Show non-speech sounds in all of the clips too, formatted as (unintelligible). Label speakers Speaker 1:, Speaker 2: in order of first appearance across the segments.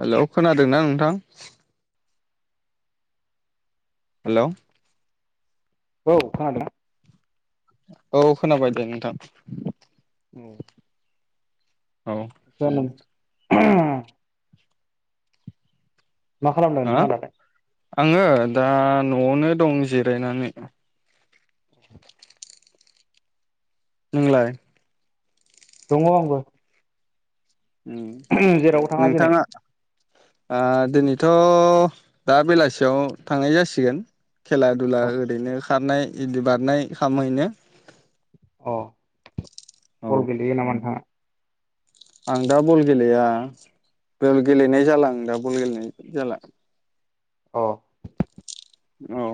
Speaker 1: Hello खोनादोंना नोंथां? Hello
Speaker 2: औ खोनादों।
Speaker 1: औ खोनाबाय दे नोंथां।
Speaker 2: उम
Speaker 1: औ
Speaker 2: (inaudible) मा खालामदों
Speaker 1: ओ
Speaker 2: नोंथाङा दालाय
Speaker 1: आङो दा न'आवनो दं जिरायनानै। नोंलाय?
Speaker 2: दङ आंबो।
Speaker 1: ओम
Speaker 2: जेरावबो थाङा दिनै
Speaker 1: नोंथाङा ओ दिनैथ दा बेलासियाव थांनाय जासिगोन। खेला दुला
Speaker 2: औ
Speaker 1: ओरैनो खारनाय इदि बारनाय खामहैनो
Speaker 2: अ
Speaker 1: औ
Speaker 2: बल गेलेयो नामा नोंथाङा?
Speaker 1: आं दा बल गेलेया बल गेलेनाय जाला आं दा बल गेलेनाय जाला।
Speaker 2: अ
Speaker 1: औ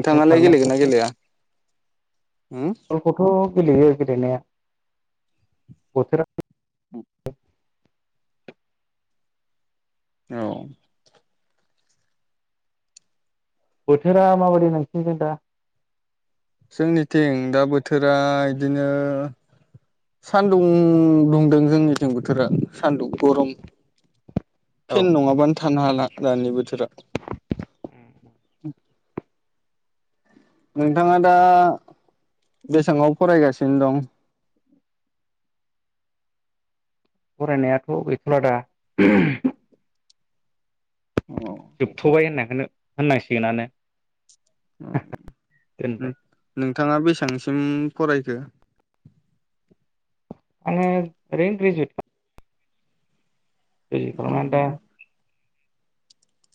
Speaker 2: ओरैनो खारनाय
Speaker 1: गेलेगोन ना गेलेया? उम
Speaker 2: बलखथ गलेयो गेलेनाया (unintelligible)
Speaker 1: उम औ
Speaker 2: बोथोरा माबादि नोंसिनि थिं दा?
Speaker 1: जोंनिथिं दा बोथोरा बिदिनो सानदुं दुंदों जोंनिथिं बोथोरा। सान्दुं गरम
Speaker 2: औ
Speaker 1: फेन नङाबानो था थानो हाला दानि बोथोरा। (inaudible) नोंथाङा दा बेसाङाव फरायगासिनो दं?
Speaker 2: फरायनायाथ गैथला दा?
Speaker 1: औ
Speaker 2: जोबथबाय‌ (unintelligible) नो होननांसिगोनानो।
Speaker 1: उम
Speaker 2: दोनबाय
Speaker 1: उम थाङा बेसांसिम फरायखो?
Speaker 2: आङो ओरैनो ग्रेजुवेट। (unintelligible) दा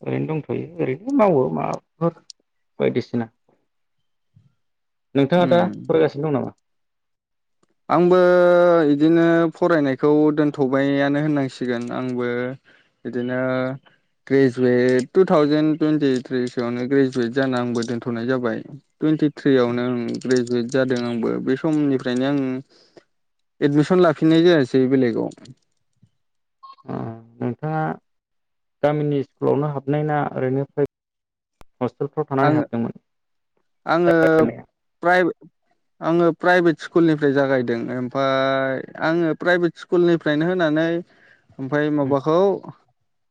Speaker 2: ओरैनो दंथयो ओरैनो मावो माबाफोर बायदिसिना। नोंथाङा
Speaker 1: उम
Speaker 2: दा फरायगासिनो दं नामा?
Speaker 1: आंबो इदिनो फरायनायखौ दोनथबायानो होननांसिगोन आंबो बिदिनो ग्रेजुवेट टु थावजेेन टुइन्टिथ्रि सोयावनो ग्रेजुवेट जाना आंबो दोन्थनाय जाबाय टुइन्टिथ्रियावनो ओं ग्रेजुवेट जादों आंबो बे समनिफ्रायनो आं। एदमिसन लाफिननाय जायासै बेलेगाव।
Speaker 2: ओं नोंथाङा गामिनि स्कुलावनो हाबनाय ना ओरैनो प्राइ हस्टेलफ्राव थानानै
Speaker 1: आङो
Speaker 2: हाबदोंमोन?
Speaker 1: आङो
Speaker 2: (inaudible)
Speaker 1: प्राइ- आङो प्राइभेट स्कुलनिफ्राय जागायदों ओमफाय आङो प्राइभेट स्कुलनिफ्रायनो होनानै ओमफाय
Speaker 2: उम
Speaker 1: माबाखौ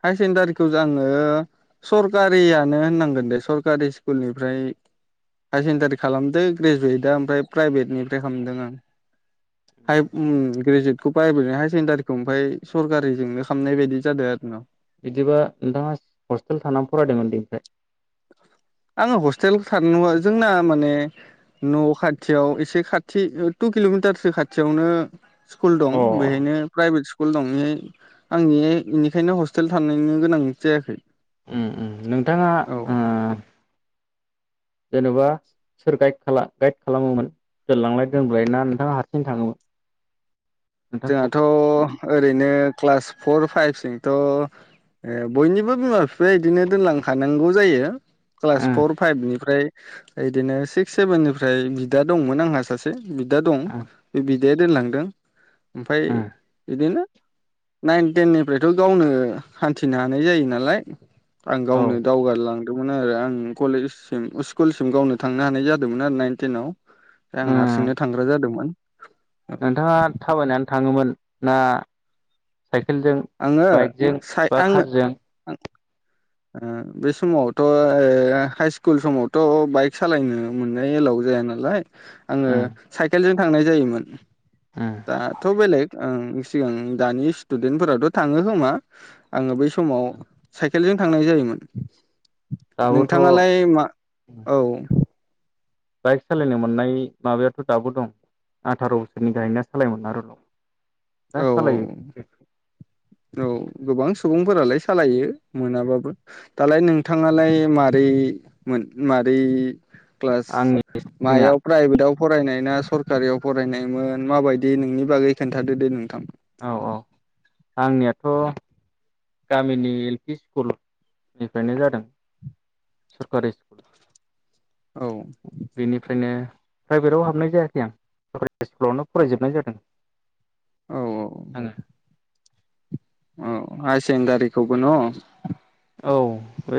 Speaker 1: हायार सेकेणडारिखौ आङो सरकारियानो होननांगोन दे स सरकारि स्कुलनिफ्राय हायार सेकेणडारि खालामदों ग्रेजुवेटआ ओमफ्राय प्राइभेटनिफ्राय खालामदों आं ग्रेजुवेटखौ प्राइभेटनि हायार सेकेडारिखौ ओमफ्राय सरकारिजोंनो खालामनाय बायदि जादों आरो न'।
Speaker 2: बिदिबा नोंथाङा हस्टेल थानानै फरायदोंमोन उन्दैनिफ्राय?
Speaker 1: आङो हस्टेल थार जोंना माने न' खाथियाव एसे खाथि टु किल'मिटारसो खाथियावनो स्कुल दं
Speaker 2: अ
Speaker 1: बेहायनो प्राइभेट स्कुल दं आंनि बेनिखायनो हस्टेल थालायनो गोनां जायाखै।
Speaker 2: उम नोंथाङा
Speaker 1: औ
Speaker 2: ओ जेन'बा सोर गाइ गाइद खाला-खालामोमोन दोनलांलाय दोनबाय ना नोंथाङा हारसिं थाङोमोन? नोंथांखौ?
Speaker 1: जोंहाथ' ओरैनो। क्लास फर फाइभसिंथ' बयनिबो बिमा बिफाया बिदिनो दोनलांखानांगौ जायो। क्लास
Speaker 2: उम
Speaker 1: फर फाइभनिफ्राय। बिदिनो सिक्स सेभेननिफ्राय बिदा दंमोन आंहा सासे। बिदा दं
Speaker 2: उम
Speaker 1: बे बे दोनलांदों। ओमफाय
Speaker 2: उम
Speaker 1: बिदिनो। नाइन टेन निफ्रायथ' गावनो हान्थिनो हानाय जायो नालाय। आं
Speaker 2: औ
Speaker 1: गावनो दावगाललां मोन आरो आं कलेजसिम स्कुलसिम गावनो थांनो हानाय जादोंमोन आरो नाइन थेनाव। आं हारसिंनो
Speaker 2: उम
Speaker 1: थांग्रा जादोंमोन।
Speaker 2: नोंथाङा थाबायनानै। थाङोमोन ना? साइकेलजों
Speaker 1: आङो
Speaker 2: बाइकजों
Speaker 1: साइ-
Speaker 2: बा
Speaker 1: आङो
Speaker 2: कारजों?
Speaker 1: । ओ-बे समावथ' ओ-हाइ स्कुल समावथ' बाइक सालायनो मोननाय एलाव जाया नालाय। आङो
Speaker 2: उम
Speaker 1: साइकेलजों। थांनाय जायोमोन
Speaker 2: उम
Speaker 1: दा थ बेलेक ओं सिगां दानि स्टुडेन्टफोराथ थांङो होमा आंङो बै स समाव साइ साइकेलजों थांनाय जायोमोन नोंथाङालाय
Speaker 2: दाबोथ'
Speaker 1: मा औ
Speaker 2: बाइक सालायनो मोननाय माबायाथ दाबो दं आथार बोसोरनि गाहायना सालायमोना आरो दा
Speaker 1: औ
Speaker 2: सालायो (unintelligible)
Speaker 1: औ गोबां सुबुंफोरालाय सालायो मोनाबाबो दालाय नोंथांङालाय मारै मोन मारै क्लास
Speaker 2: आंनि स्टारटिंआ
Speaker 1: मायाव प्राइभेटाव फरायनाय ना सरकारियाव फरायनायमोन माबायदि नोंनि बागै खोन्थादों दे दे नोंथां
Speaker 2: औ औ आंनियाथ गामिनि एल पि स्कुल निफ्रायनो जादों सरकारि ।
Speaker 1: औ
Speaker 2: बेनिफ्रायनो। प्राइभेटआव हाबनाय जायाखै आं। हाइ स्कुलावनो फरायजोबनाय जादों।
Speaker 1: औ औ।
Speaker 2: आङो
Speaker 1: औ हाय सेकेन्दारिखौबो न?
Speaker 2: औ बे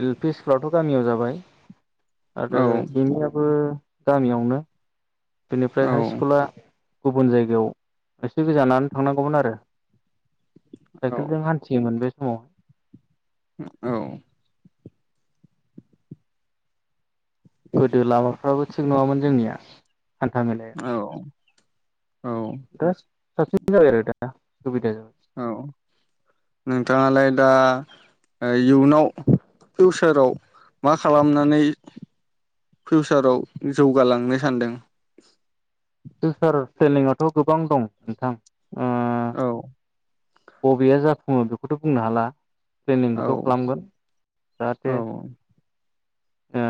Speaker 2: एल फि स्कुलाथ गामियाव जाबाय। आरो एम इ आबो। गामियावनो। बेनिफ्राय
Speaker 1: औ
Speaker 2: हाइ स्कुला। गुबुन जायगायाव एसे गोजानानै थांनांगौमोन आरो।
Speaker 1: औ
Speaker 2: साइकेलजों हान्थियोमोन बे। समावहाय
Speaker 1: औ।
Speaker 2: गोदो लामाफ्राबो थिग नंङामोन जोंनिया। हान्था मेलाया
Speaker 1: औ। औ
Speaker 2: (unintelligible)
Speaker 1: औ नोंथाङालाय? दा इयुनाव फिउसाराव मा खालामनानै फिउसाराव जौगालांनो सानदों?
Speaker 2: फिउचार फ्लेनिंआथ गोबां दं नोंथां ओम।
Speaker 1: औ।
Speaker 2: बबेया जाफुङो बेखौथ बुंनो हाला। प्लेनिंखौथ
Speaker 1: औ
Speaker 2: खालामगोन
Speaker 1: औ
Speaker 2: जाहाथे। ओ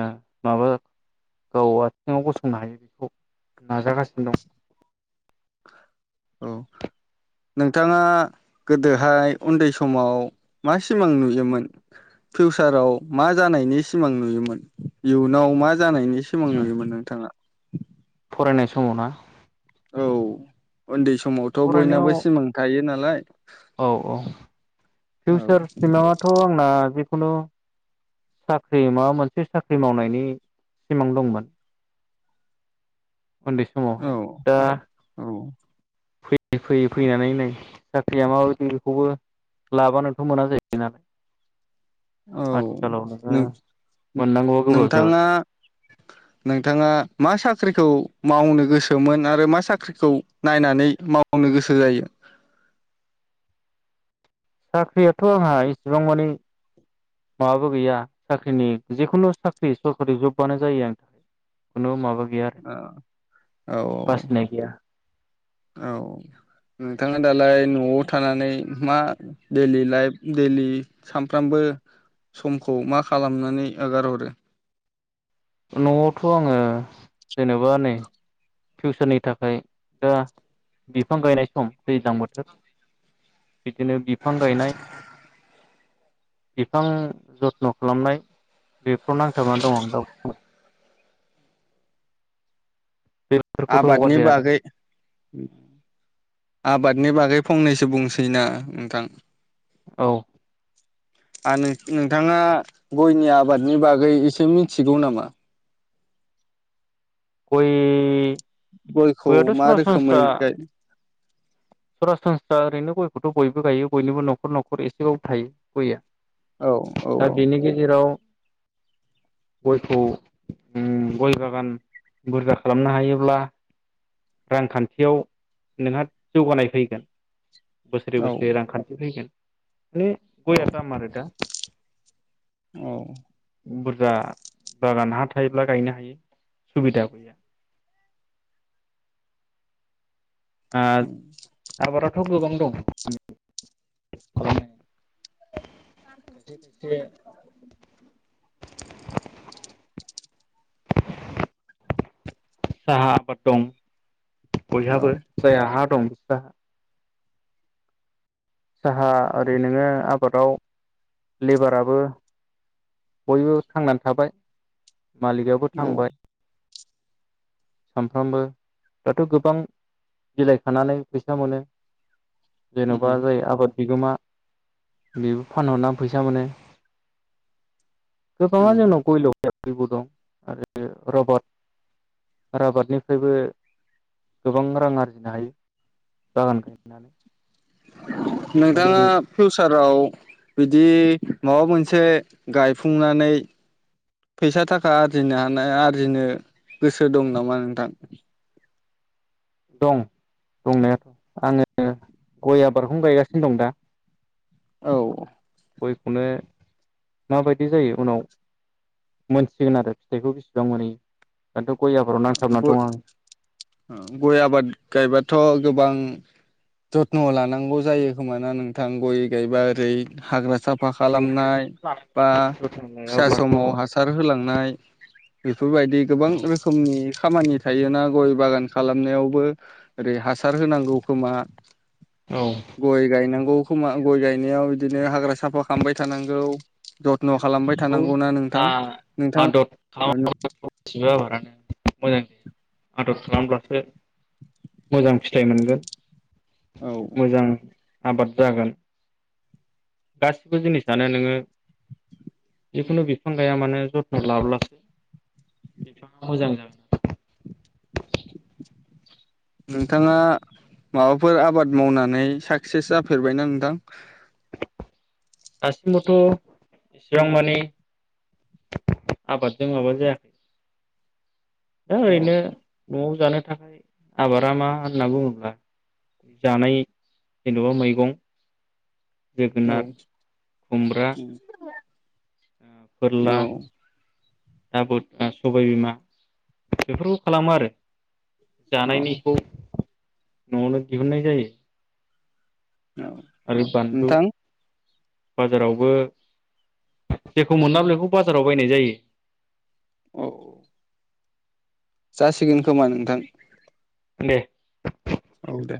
Speaker 2: माबा गाव आथिङाव गसंनो हायो बेखौ नाजागासिनो दं।
Speaker 1: औ नोंथाङा गोदोहाय उन्दै समाव मा सिमां नुयोमोन फिउसाराव मा जानायनि सिमां नुयोमोन इयुनाव मा? जानायनि सिमां
Speaker 2: दं
Speaker 1: नुयोमोन नोंथाङा?
Speaker 2: फरायनाय समाव ना?
Speaker 1: औ ओन्दै स समावथ' बयनाबो
Speaker 2: फरायनायाव
Speaker 1: सिमां थायो नाल (unintelligible)
Speaker 2: औ औ फिउचार सिमांआथ' आंना। खुनु साख्रि माबा मोनसे साख्रि मावनायनि सिमां दंमोन। उन्दै
Speaker 1: औ
Speaker 2: समावहाय दा।
Speaker 1: औ
Speaker 2: फैयै फैयै फैनानै नै साख्रिया माबायदि बेखौबो लाबानोथ' मोना जायबाय ना।
Speaker 1: औ नों
Speaker 2: मोननांगौआ गोब्राब
Speaker 1: नोंथाङा
Speaker 2: जाबाय
Speaker 1: नोंथाङा मा साख्रि? ख्रिखौ मावनो गोसोमोन आरो मा साख्रिखौ नायनानै मावनो गोसो जायो?
Speaker 2: साख्रियाथ' आंहा इसेबां माने माबाबो गैया साख्रिनि जिखुनु साख्रि सरखारि जबानो जायो आंनि थाखाय खुनु माबा गैया आरो
Speaker 1: अ औ
Speaker 2: बासिनाय गैया
Speaker 1: औ नोंथाङा दालाय न'आव थानानै मा दैलि लाइफ दैलि सामफ्रामबो समखौ मा खालामनानै ओगारहरो?
Speaker 2: न'आवथ' आङो जेनेबा नै फिउसारनि थाखाय दा बिफां गायनाय सम दैज्लां बोथोर। बिदिनो बिफां गायनाय बिफां जथ्न' खालामनाय बेफ्राव नांथाबनानै दं आं दाव (unintelligible) बेफोरखौथ'
Speaker 1: आबादनि
Speaker 2: हगारजाया दा
Speaker 1: बागै आबादनि बागै फंनैसो बुंसै ना नोंथां
Speaker 2: औ।
Speaker 1: आरो नों नोंथाङा गयनि आबादनि बागै एसे मिथिगौ नामा?
Speaker 2: गय
Speaker 1: गयखौ
Speaker 2: गयाथ'
Speaker 1: मा रोखोमै
Speaker 2: सरासनस्रा
Speaker 1: गाय
Speaker 2: सरासनस्रा ओरैनो गयखौथ' बयबो गायो बयनिबो न'खर न'खर एसेबाबबो थायो गया।
Speaker 1: औ औ
Speaker 2: दा बेनि गेजेराव गयखौ उम गय बागान बुरजा खालामनो हायोब्ला रांखान्थियाव नोंहा जौगानाय फैगोन। बोसोरै
Speaker 1: औ
Speaker 2: बोसोरै रांखान्थि फैगोन। बे गयआ दाम आरो दा
Speaker 1: औ।
Speaker 2: बुरजा बागान हा थायोब्ला गायनो हायो सुबिदा गैया (unintelligible) गोबां दं। खायसे खायसे
Speaker 1: (inaudible)
Speaker 2: साहा आबाद दं।
Speaker 1: औ
Speaker 2: बैहाबो जायहा हा (unintelligible) साहा ओरै नोङो आबादाव लेबाराबो बयबो थांनानै थाबाय। मालिकआबो थांबाय। सानफ्रामबो दाथ' गोबां बिलाइ खानानै फैसा मोनो।
Speaker 1: उम
Speaker 2: जेन'बा
Speaker 1: उम
Speaker 2: जाय आबाद बिगोमा बेबो फानहरनानै फैसा मोनो। (unintelligible) गय ल' बेबो दं आरो रबारट आबादनिफ्रायबो, गोबां रां आरजिनो हायो बागान गायनानै। माने
Speaker 1: नोंथाङा फिउसाराव बिदि माबा मोनसे गायफुंनानै फैसा थाखा आरजिनो हानाय आरजिनो गोसो दं नामा नोंथां?
Speaker 2: दं दंनायाथ' आङो गय आबारखौनो गायगासिनो दं दा।
Speaker 1: औ
Speaker 2: गयखौनो माबायदि जायो उनाव मोनथिसिगोन आरो फिथाइखौ बेसिबां मोनहैयो। दाथ' गय आबाराव नांथाबना दं आं।
Speaker 1: गय आबाद गायबाथ' गोबां जथ्न' लानांगौ जायो खोमा ना नोंथां? गय गायबा ओरै हाग्रा साफ फा
Speaker 2: औ गथ'खौ
Speaker 1: खालामनाय
Speaker 2: लानानै
Speaker 1: बा
Speaker 2: जोथोन
Speaker 1: फिसा
Speaker 2: लायाब्लाथ'
Speaker 1: समाव हासार होलांनाय बेफोरबायदि गोबां रोखो खोमनि खामानि थायोना गय बागान खालामनायावबो ओरै हासार होनांगौ खोमा।
Speaker 2: औ
Speaker 1: गय गायनां गौ खोमा गय गायनायाव बिदिनो हाग्रा साफा खालामबाय थानांगौ। जत न' खालामबाय
Speaker 2: औ
Speaker 1: थानांगौ ना
Speaker 2: आ
Speaker 1: नोंथां नोंथां
Speaker 2: आदर
Speaker 1: ओ
Speaker 2: खालामा
Speaker 1: नों
Speaker 2: गासिबो आबादानो मोजां आदर खालामब्लासो, मोजां फिथाइ मोनगोन।
Speaker 1: औ
Speaker 2: मोजां आबाद जागोन। गासिबो जिनिसानो नोङो, जिखुनु बिफां गाया मानो जथ्न' लाब्लासो बिफाङा मोजां जागोन आरो।
Speaker 1: नोंथाङा माबाफोर आबाद मावनानै साक्सेस जाफेरबायना नोंथां?
Speaker 2: दासिमबोथ' इसिबां मानि आबादजों माबा जायाखै। दा
Speaker 1: औ
Speaker 2: ओरैनो न'आव जानो थांनि आबादा मा होनना बुङोब्ला? जानाय जेन'बा मैगं
Speaker 1: औ
Speaker 2: जोगोनार खुमब्रा आ फोरला
Speaker 1: औ
Speaker 2: दाबुद ओ सबाय बिमा बेफोरखौ खालामो आरो।
Speaker 1: औ
Speaker 2: जानायनिखौ नआवनो दिहुन्नाय जायो।
Speaker 1: औ
Speaker 2: आरो बान्लु
Speaker 1: नोंथां
Speaker 2: बाजारावबो जेखौ मोनला बेखौ बाजाराव बायनाय जायो।
Speaker 1: औ जासिगोन खोमा नोंथां।
Speaker 2: दे
Speaker 1: औ दे।